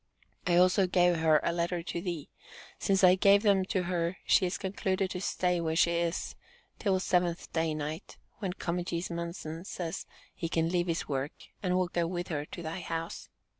I also gave her a letter to thee. Since I gave them to her she has concluded to stay where she is till 7th day night, when Comegys Munson says he can leave his work and will go with her to thy house.